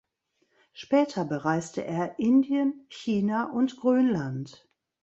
Später bereiste er Indien, China und Grönland.